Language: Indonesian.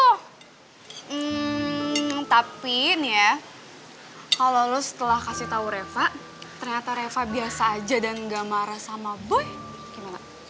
hmm tapi ini ya kalau lo setelah kasih tahu reva ternyata reva biasa aja dan gak marah sama boy gimana